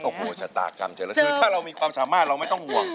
โอ้โหชะตากรรมเจริญถ้าเรามีความสามารถเราไม่ต้องห่วง